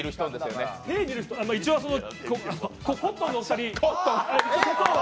一応コットンの２人。